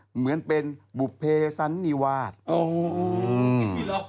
เหมือนเป็นบุภเภสันนิวาสอ๋ออืม